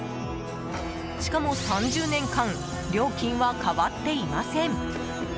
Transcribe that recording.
しかも３０年間料金は変わっていません。